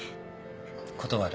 断る。